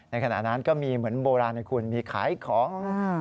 ขณะนั้นก็มีเหมือนโบราณนะคุณมีขายของ